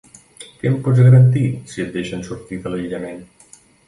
Què em pots garantir si et deixen sortir de l'aïllament?